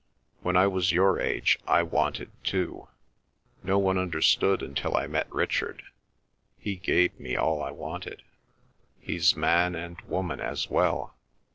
"When I was your age I wanted too. No one understood until I met Richard. He gave me all I wanted. He's man and woman as well."